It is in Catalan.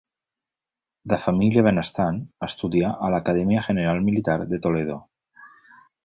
De família benestant, estudià a l'Acadèmia General Militar de Toledo.